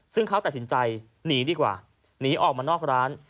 ซึ่งเขาตัดสินใจหนีดีกว่าหนีออกมานอกร้าน